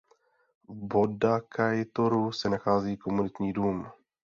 V Bodakajtoru se nachází komunitní dům.